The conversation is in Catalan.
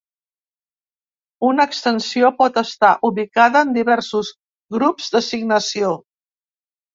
Una extensió pot estar ubicada en diversos grups d'assignació.